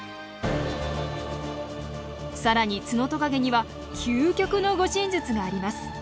更にツノトカゲには究極の護身術があります。